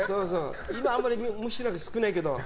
今はあんまり虫なんて少ないけど。